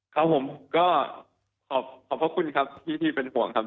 กับใครนะครับครับผมก็ขอบคุณครับที่ที่เป็นห่วงครับ